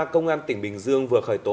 công an tỉnh bình dương vừa khởi tố